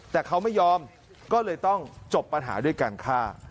แต่เขาไม่ยอมก็เลยต้องจบปัญหาด้วยการฆ่า